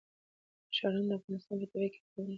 ښارونه د افغانستان په طبیعت کې رول لوبوي.